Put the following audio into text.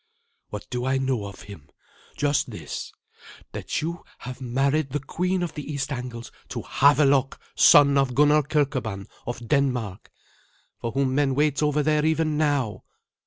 "What do I know of him? Just this that you have married the queen of the East Angles to Havelok, son of Gunnar Kirkeban of Denmark, for whom men wait over there even now.